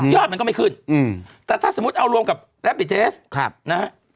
ยอดมันก็ไม่ขึ้นอืมแต่ถ้าสมมุติเอารวมกับครับนะฮะ